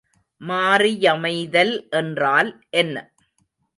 மாறியமைதல் என்றால் என்ன?